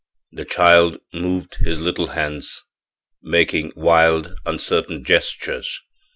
The child moved his little hands, making wild, uncertain gestures.